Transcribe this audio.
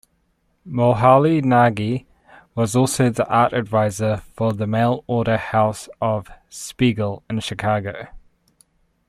Moholy-Nagy was also the Art Advisor for the mail-order house of Spiegel in Chicago.